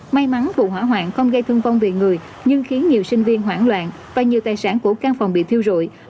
may mắn vụ hỏa hoạn không gây thương vong về người nhưng khiến nhiều sinh viên hoảng loạn và nhiều tài sản của căn phòng bị thiêu rụi